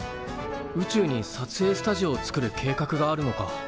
宇宙にさつえいスタジオを作る計画があるのか。